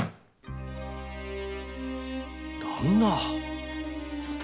旦那！